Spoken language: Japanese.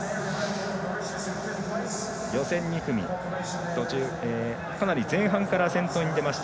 予選２組、かなり前半から先頭に出ました